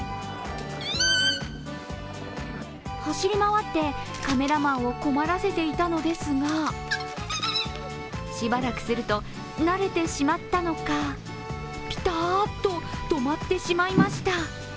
走り回ってカメラマンを困らせていたのですがしばらくすると、慣れてしまったのか、ピタッと止まってしまいました。